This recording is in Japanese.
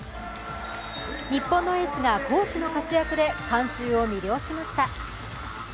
日本のエースが攻守の活躍で観衆を魅了しました。